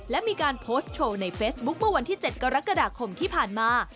และมีการโพสต์โชว์ในเฟซบุ๊คเมื่อวันที่๗กรกฎาคมที่ผ่านมา